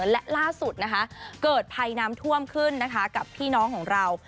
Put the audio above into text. และล่าสุดนะคะเกิดภัยน้ำท่วมขึ้นนะคะกับพี่น้องของเรา